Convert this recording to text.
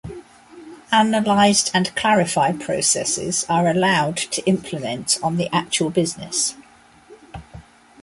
Analysed and clarified processes are allowed to implement on the actual business.